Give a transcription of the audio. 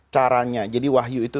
caranya jadi wahyu itu